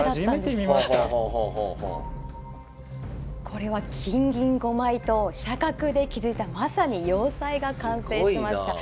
これは金銀５枚と飛車角で築いたまさに要塞が完成しました。